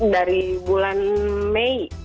dari bulan mei